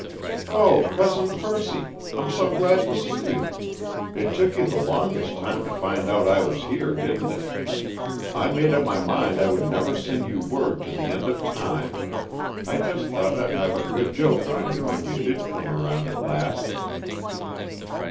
"Oh, Cousin Percy! I'm so glad to see you! It took you the longest time to find out I was here, didn't it? I made up my mind I would never send you word to the end of time! I just thought I'd have a good joke on you when you did come around at last."